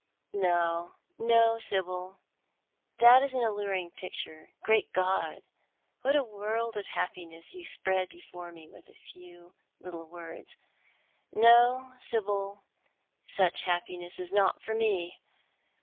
" No, no, Sib}l, that is an alluring picture. Great God, what a world of happiness you spread before me with a few little words. No, Sibyl, such happiness is not for me.